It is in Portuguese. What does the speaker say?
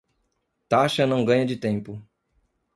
Taxa não ganha de tempo